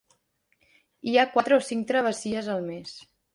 Hi ha quatre o cinc travessies al mes.